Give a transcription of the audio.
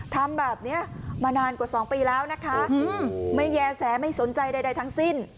ทำแบบนี้มานานกว่า๒ปีแล้วนะคะไม่แย่แสไม่สนใจใดทั้งสิ้น